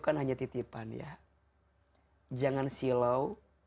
kan hanya titipan ya jangan silau